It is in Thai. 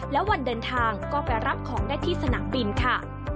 และวันเดินทางก็ไปรับของได้ที่สนามบินค่ะ